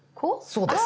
そうです。